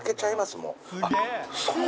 もう。